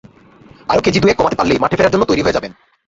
আরও কেজি দুয়েক কমাতে পারলেই মাঠে ফেরার জন্য তৈরি হয়ে যাবেন।